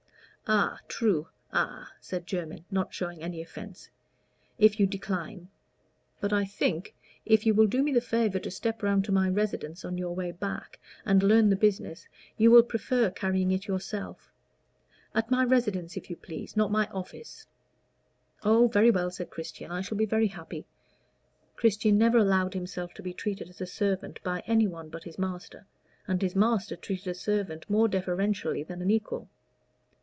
"A true a," said Jermyn, not showing any offence; "if you decline. But I think, if you will do me the favor to step round to my residence on your way back, and learn the business, you will prefer carrying it yourself. At my residence, if you please not my office." "Oh, very well," said Christian. "I shall be very happy." Christian never allowed himself to be treated as a servant by anyone but his master, and his master treated a servant more deferentially than an equal.